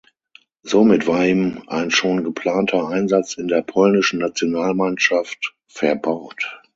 Somit war ihm ein schon geplanter Einsatz in der Polnischen Nationalmannschaft verbaut.